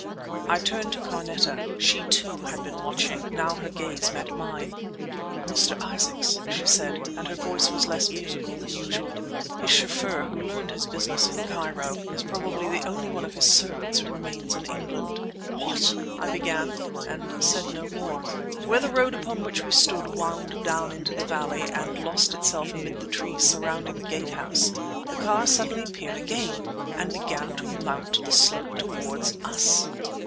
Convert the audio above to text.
I turned to Carneta. She, too, had been watching. Now her gaze met mine. "Mr. Isaacs!" she said; and her voice was less musical than usual. "His chauffeur, who learned his business in Cairo, is probably the only one of his servants who remains in England." "What!" I began—and said no more. Where the road upon which we stood wound down into the valley and lost itself amid the trees surrounding the Gate House, the car suddenly appeared again, and began to mount the slope toward us!